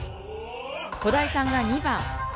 小鯛さんが２番。